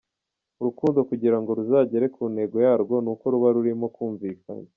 Urukundo kugira ngo ruzagere ku ntego yarwo ni uko ruba rurimo kumvikana.